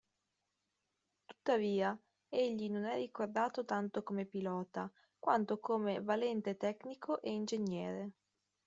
Tuttavia egli non è ricordato tanto come pilota quanto come valente tecnico e ingegnere.